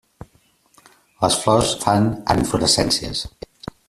Les flors es fan en inflorescències.